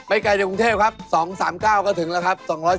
ไกลจากกรุงเทพครับ๒๓๙ก็ถึงแล้วครับ